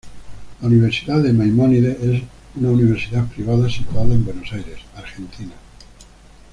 La Universidad Maimónides es una universidad privada situada en Buenos Aires, Argentina.